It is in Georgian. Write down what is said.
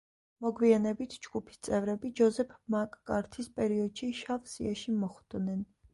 მოგვიანებით ჯგუფის წევრები ჯოზეფ მაკ-კართის პერიოდში შავ სიაში მოხვდნენ.